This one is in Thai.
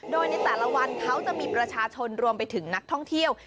โดยในแต่ละวันเขาจะมีประชาชนรวมไปถึงนักท่องเที่ยว